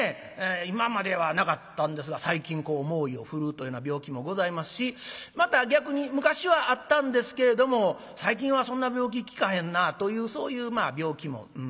今まではなかったんですが最近こう猛威を振るうというような病気もございますしまた逆に昔はあったんですけれども最近はそんな病気聞かへんなというそういう病気もございます。